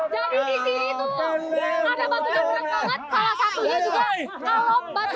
caranya harus bicara kotor